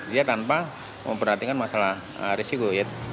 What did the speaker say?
dia tanpa memperhatikan masalah risiko ya